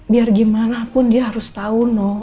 biar gimana pun dia harus tau noah